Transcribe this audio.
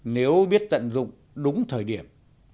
nếu biết tận dụng đúng thời điểm